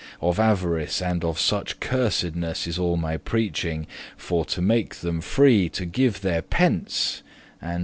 Of avarice and of such cursedness* *wickedness Is all my preaching, for to make them free To give their pence, and namely* unto me.